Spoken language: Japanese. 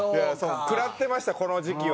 食らってましたこの時期は。